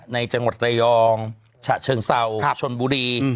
ในจังหวัดระยองฉะเชิงเศร้าชนบุรี